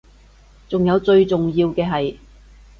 仲有最重要嘅係